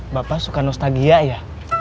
bapak suka nostalgia ya